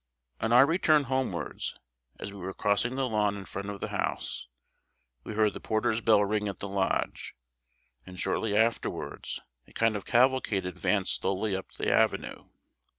On our return homewards, as we were crossing the lawn in front of the house, we heard the porter's bell ring at the lodge, and shortly afterwards, a kind of cavalcade advanced slowly up the avenue.